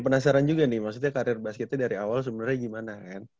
penasaran juga nih maksudnya karir basketnya dari awal sebenarnya gimana kan